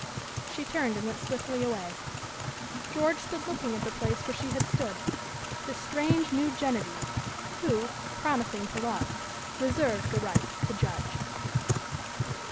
She turned and went swiftly away. George stood looking at the place where she had stood, this strange, new Genevieve, who, promising to love, reserved the right to judge.